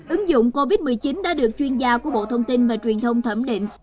ứng dụng covid một mươi chín đã được chuyên gia của bộ thông tin và truyền thông thẩm định